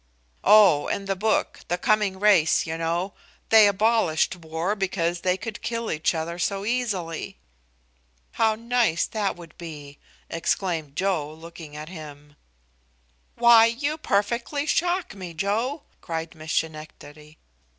"Oh, in the book the 'Coming Race,' you know they abolished war because they could kill each other so easily." "How nice that would be!" exclaimed Joe, looking at him. "Why, you perfectly shock me, Joe," cried Miss Schenectady.